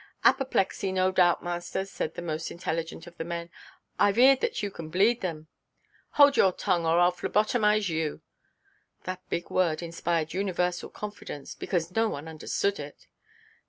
"Appleplexy, no doubt, master," said the most intelligent of the men; "I have 'eared that if you can bleed them——" "Hold your tongue, or Iʼll phlebotomise you." That big word inspired universal confidence, because no one understood it.